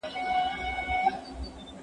چي را نه سې پر دې سیمه پر دې لاره